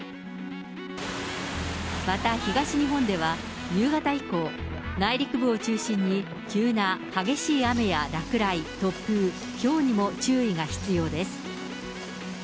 また東日本では、夕方以降、内陸部を中心に、急な激しい雨や落雷、突風、ひょうにも注意が必要です。